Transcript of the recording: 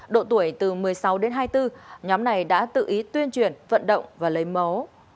độ tuổi từ một mươi sáu đến hai mươi bốn nhóm này đã tự ý tuyên truyền vận động và lấy mẫu